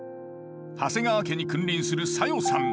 長谷川家に君臨する小夜さん。